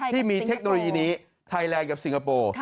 เทคโนโลยีนี้ไทยแลนด์กับสิงคโปร์